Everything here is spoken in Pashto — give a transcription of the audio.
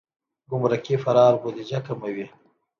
ګمرکي فرار بودیجه کموي.